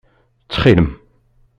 Ttxil-m.